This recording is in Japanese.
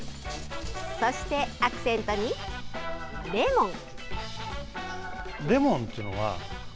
そして、アクセントにレモン。